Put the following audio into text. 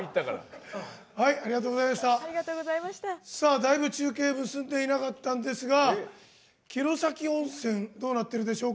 だいぶ、中継を結んでいなかったんですが城崎温泉どうなってるでしょうか。